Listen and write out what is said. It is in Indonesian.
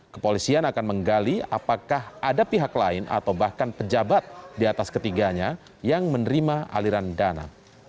kepolisian akan menggali apakah ada pihak lain atau bahkan pejabat di atas ketiganya yang menerima aliran dana